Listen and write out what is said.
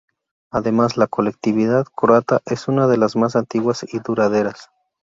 Además, la colectividad croata es una de las más antiguas y duraderas.